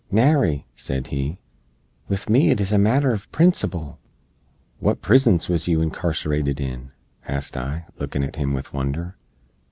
"Nary!" sed he. "With me it is a matter uv principle!" "Wat prizns wuz yoo incarcerated in?" asked I, lookin at him with wonder.